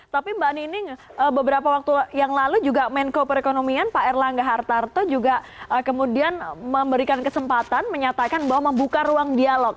tapi mbak nining beberapa waktu yang lalu juga menko perekonomian pak erlangga hartarto juga kemudian memberikan kesempatan menyatakan bahwa membuka ruang dialog